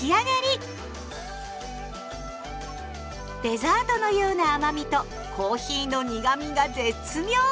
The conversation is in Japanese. デザートのような甘みとコーヒーの苦みが絶妙！